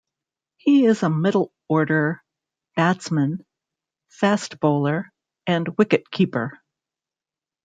He is a middle-order batsman, fast bowler and wicket-keeper.